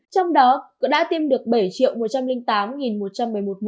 trong đó cũng đã tiêm được bảy một trăm một mươi hai liều vaccine